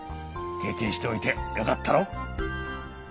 けいけんしておいてよかったろ？